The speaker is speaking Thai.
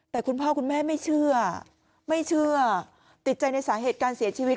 แต่คุณพ่อคุณแม่ไม่เชื่อไม่เชื่อติดใจในสาเหตุการเสียชีวิต